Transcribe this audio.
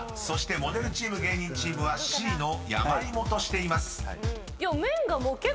そしてモデルチーム芸人チームはＣの山芋としています］